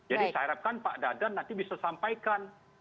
jadi saya harapkan pak dadan nanti bisa sampaikan